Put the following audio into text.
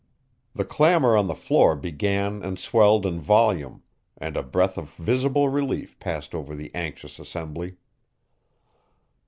The clamor on the floor began and swelled in volume, and a breath of visible relief passed over the anxious assembly.